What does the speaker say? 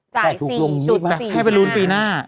จ่ายถูกลง๒๐บาทให้ไปรุ้นปีหน้า